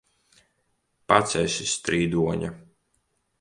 Pats esi strīdoņa!